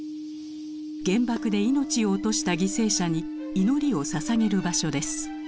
原爆で命を落とした犠牲者に祈りをささげる場所です。